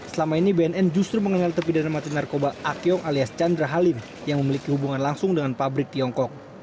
selama ini bnn justru mengenal terpidana mati narkoba akyong alias chandra halim yang memiliki hubungan langsung dengan pabrik tiongkok